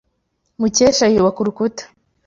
Mukesha yubaka urukuta.